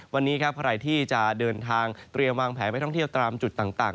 วันนี้ครับใครที่จะเดินทางเตรียมวางแผนไปท่องเที่ยวตามจุดต่าง